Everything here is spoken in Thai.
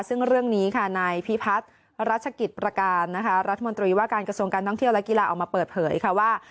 ซึ่งเรื่องนี้ค่ะนายพิพัฒน์รัชกิจประการนะคะรัฐมนตรีว่าการกระทรวงการท่องเที่ยวและกีฬาออกมาเปิดเผยค่ะว่า